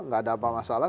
gak ada apa masalah